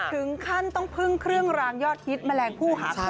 ถึงขั้นต้องพึ่งเครื่องรางยอดฮิตแมลงผู้หากิน